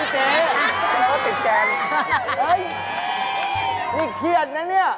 เฮ้นี่เขียนนะนี่